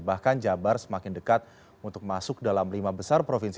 bahkan jabar semakin dekat untuk masuk dalam lima besar provinsi